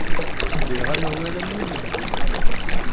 Liɣ amawal am win n gma-m.